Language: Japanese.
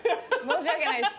申し訳ないです。